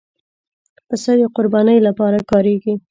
پسه د قربانۍ لپاره کارېږي.